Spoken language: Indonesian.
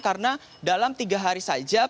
karena dalam tiga hari saja